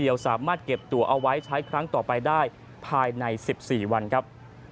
สามารถเก็บตัวเอาไว้ใช้ครั้งต่อไปได้ภายใน๑๔วันครับ